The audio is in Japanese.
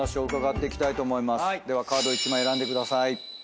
ではカードを１枚選んでください。